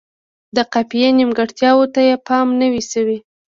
د قافیې نیمګړتیاوو ته یې پام نه دی شوی.